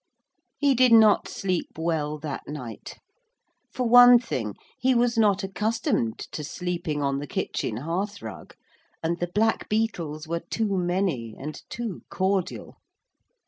He did not sleep well that night. For one thing he was not accustomed to sleeping on the kitchen hearthrug, and the blackbeetles were too many and too cordial.